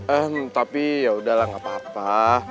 eh tapi yaudahlah gapapa